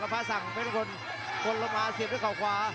กับฟ้าสังค์เพศบังคลมละมาเสียบด้วยข่าวขวา